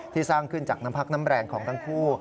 สร้างขึ้นจากน้ำพักน้ำแรงของทั้งคู่